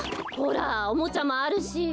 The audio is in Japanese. ほらおもちゃもあるし。